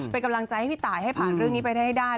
เป็นกำลังใจให้พี่ตายให้ผ่านเรื่องนี้ไปได้ให้ได้